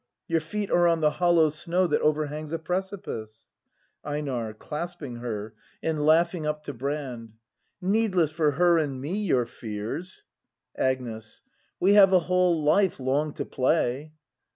Your feet are on the hollow snow That overhangs a precipice. Eestar. [Clasping Jier, and laughing up to Brand.] Needless for her and me your fears! Agnes. We have a whole life long to play!